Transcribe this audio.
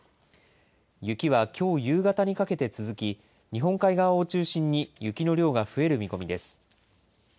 雪はきょう夕方にかけて続き、日本海側を中心に雪の量が増える見込みです。